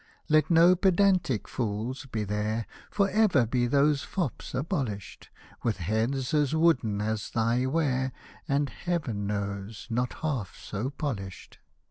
Let no pedantic fools be there ; P^or ever be those fops abolished, With heads as wooden as thy ware, And, Heaven knows I not half so polished.